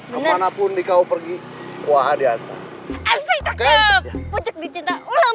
kemana pun dikau pergi kuah diantar